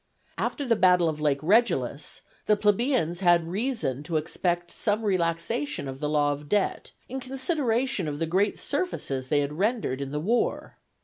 After the battle of Lake Regillus, the plebeians had reason to expect some relaxation of the law of debt, in consideration of the great services they had rendered in the war.